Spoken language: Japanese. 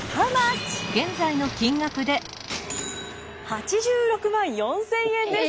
８６万４，０００円です。